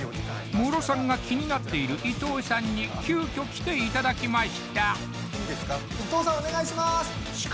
ムロさんが気になっている伊藤さんに急きょ来ていただきましたいいですか？